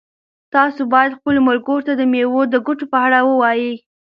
تاسو باید خپلو ملګرو ته د مېوو د ګټو په اړه ووایئ.